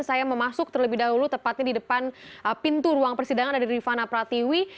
saya memasuk terlebih dahulu tepatnya di depan pintu ruang persidangan ada rifana pratiwi